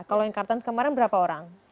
kalau yang kartens kemarin berapa orang